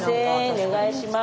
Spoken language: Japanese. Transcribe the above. お願いします。